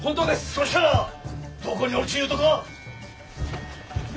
そしたらどこにおるちいうとか！？